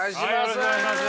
お願いします。